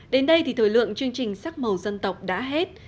đến đây thì thời lượng chương trình sắc màu dân tộc đã hết